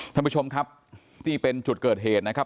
ท่านผู้ชมครับนี่เป็นจุดเกิดเหตุนะครับ